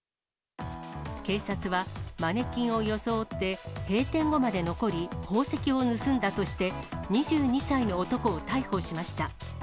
警察は、マネキンを装って閉店後まで残り、宝石を盗んだとして、２２歳の男を逮捕しました。